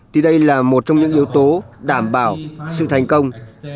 thì đây là một trong những yếu tố đảm bảo sự thành công